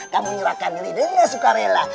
kamu nyurahkan diri dia gak suka rela